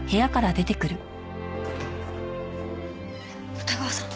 二川さん。